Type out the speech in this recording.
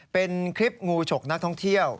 เป็นคลิปงูฉกนักท่องเที่ยว